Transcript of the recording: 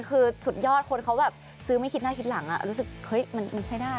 คือสุดยอดคนเขาแบบซื้อไม่คิดหน้าคิดหลังรู้สึกเฮ้ยมันใช้ได้